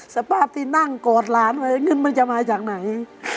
สภาพที่นั่งกอดหลานไว้นั้นมันจะมาจากไหน